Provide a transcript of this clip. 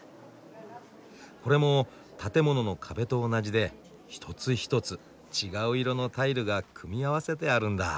これも建物の壁と同じで一つ一つ違う色のタイルが組み合わせてあるんだ。